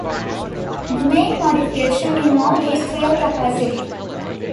The main modification involved its fuel capacity.